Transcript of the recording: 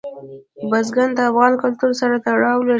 بزګان د افغان کلتور سره تړاو لري.